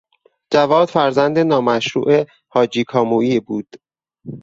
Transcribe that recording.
جواد فرزند نامشروع حاجی کامویی بود.